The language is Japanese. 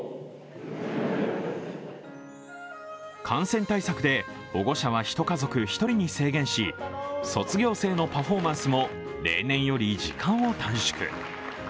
感染対策で保護者は１家族１人に制限し卒業生のパフォーマンスも例年より時間を短縮。